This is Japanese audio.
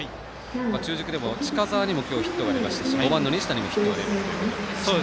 中軸でも、今日は近澤にヒットが出ましたし５番の西田にもヒットが出たということになりました